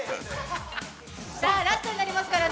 ラストになりますからね。